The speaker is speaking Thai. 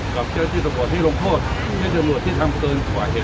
กับตัวที่รองโทษกับชั่วโรจที่ทำเคิลหว่าเหตุ